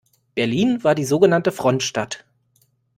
Berlin war die sogenannte Frontstadt.